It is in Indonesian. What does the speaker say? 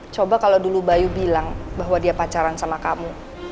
coba kalau dulu bayu bilang bahwa dia pacaran sama kamu